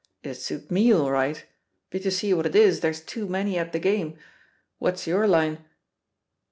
— ^it'd Suit me all right; but you see what it is, there's too many at the game. What's your line